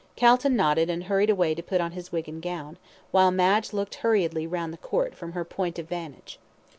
Calton nodded, and hurried away to put on his wig and gown, while Madge looked hurriedly round the Court from her point of vantage.